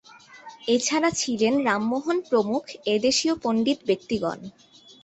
এছাড়া ছিলেন রামমোহন প্রমুখ এদেশীয় পণ্ডিত ব্যক্তিগণ।